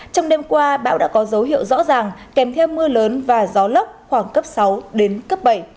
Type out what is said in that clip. trong đêm qua bão đã có dấu hiệu rõ ràng kèm theo mưa lớn và gió lốc khoảng cấp sáu đến cấp bảy